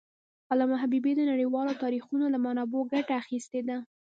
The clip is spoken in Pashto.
علامه حبيبي د نړیوالو تاریخونو له منابعو ګټه اخېستې ده.